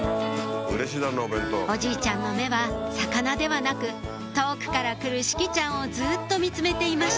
おじいちゃんの目は魚ではなく遠くから来る志葵ちゃんをずっと見つめていまし